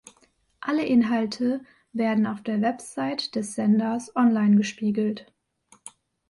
Alle Inhalte werden auf der Website des Senders online gespiegelt.